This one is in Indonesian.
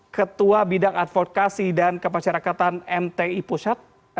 ketua bidang advokasi dan kemasyarakatan mti pusat